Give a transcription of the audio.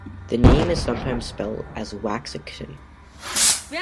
The name is sometimes spelled as Waxaktun.